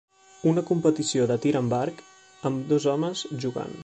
una competició de tir amb arc amb dos homes jugant